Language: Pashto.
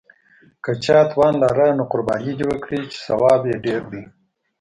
که چا توان لاره نو قرباني دې وکړي، چې ثواب یې ډېر دی.